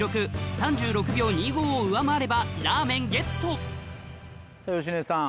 ３６秒２５を上回ればラーメンゲットさぁ芳根さん。